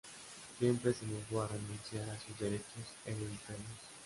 Siempre se negó a renunciar a sus derechos hereditarios.